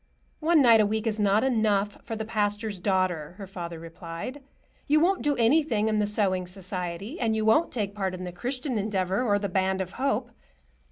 "One night a week is not enough for the pastor's daughter," her father replied. "You won't do anything in the sewing society, and you won't take part in the Christian Endeavor or the Band of Hope.